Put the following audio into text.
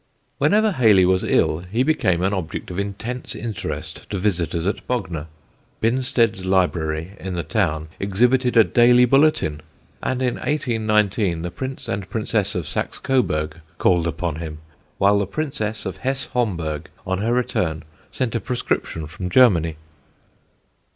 Whenever Hayley was ill he became an object of intense interest to visitors at Bognor. Binsted's Library in the town exhibited a daily bulletin; and in 1819 the Prince and Princess of Saxe Coburg called upon him, while the Princess of Hesse Homburg on her return sent a prescription from Germany.